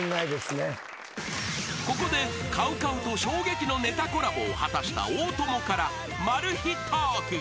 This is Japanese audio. ［ここでＣＯＷＣＯＷと衝撃のネタコラボを果たした大友からマル秘トークが］